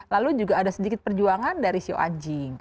lalu juga ada sedikit perjuangan dari sio anjing